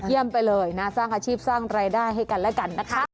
ไปเลยนะสร้างอาชีพสร้างรายได้ให้กันแล้วกันนะคะ